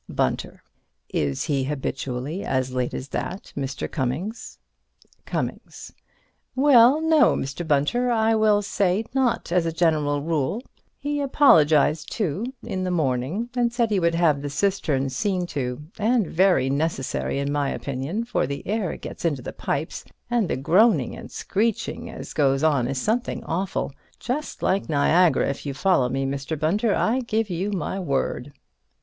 Bunter: Is he habitually as late as that, Mr. Cummings? Cummings: Well, no, Mr. Bunter, I will say, not as a general rule. He apologized, too, in the morning, and said he would have the cistern seen to—and very necessary, in my opinion, for the air gets into the pipes, and the groaning and screeching as goes on is something awful. Just like Niagara, if you follow me, Mr. Bunter, I give you my word.